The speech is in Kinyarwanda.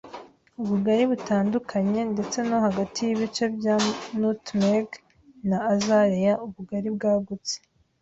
ubugari butandukanye; ndetse no hagati yibice bya nutmeg na azalea, ubugari bwagutse